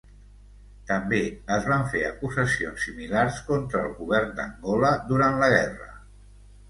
També es van fer acusacions similars contra el govern d'Angola durant la guerra.